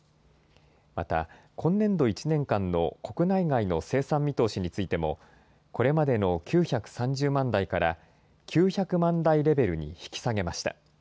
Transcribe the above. また、今年度１年間の国内外の生産見通しについても、これまでの９３０万台から９００万台レベルに引き下げました。